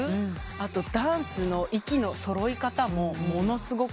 あとダンスの息の揃い方もものすごくて。